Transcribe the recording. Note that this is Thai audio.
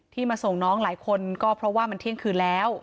มาส่งน้องหลายคนก็เพราะว่ามันเที่ยงคืนแล้ว